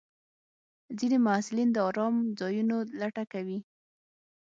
ځینې محصلین د ارام ځایونو لټه کوي.